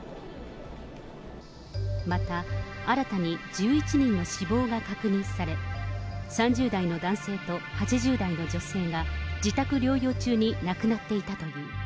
また、新たに１１人の死亡が確認され、３０代の男性と８０代の女性が、自宅療養中に亡くなっていたという。